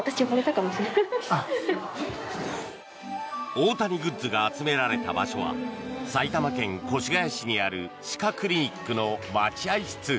大谷グッズが集められた場所は埼玉県越谷市にある歯科クリニックの待合室。